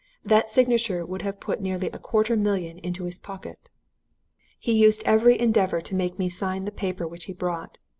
That signature would have put nearly a quarter of a million into his pocket. "He used every endeavour to make me sign the paper which he brought.